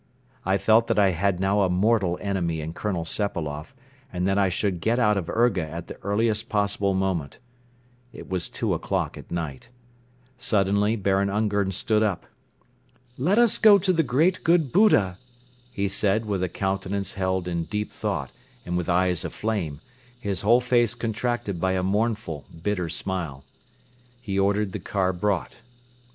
I felt that I had now a mortal enemy in Colonel Sepailoff and that I should get out of Urga at the earliest possible moment. It was two o'clock at night. Suddenly Baron Ungern stood up. "Let us go to the great, good Buddha," he said with a countenance held in deep thought and with eyes aflame, his whole face contracted by a mournful, bitter smile. He ordered the car brought.